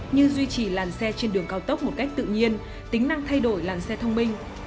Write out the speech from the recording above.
như duy trì làn xe trên đường cao tốc một cách tự nhiên tính năng thay đổi làn xe thông minh